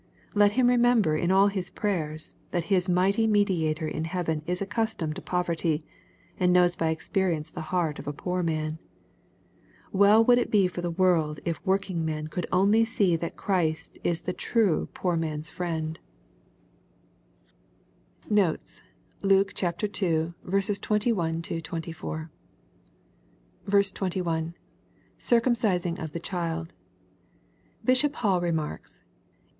Let him remember in all his prayers that his mighty Mediator in heaven is accustomed to poverty, and knows by experience the heart of a poor man. Well would it be for the world if working men could only see that Christ is the ^rue poor man's friend I LUKE^ CHAP. II. 65 Notes. Luke II. 21—24. 21 —[ Oiretimsuing of ihe ehUd,] Bishop Hall remarks.